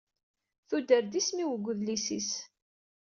Tuder-d isem-iw deg udlis-is.